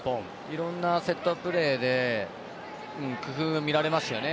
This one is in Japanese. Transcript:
いろんなセットプレーで工夫が見られましたよね。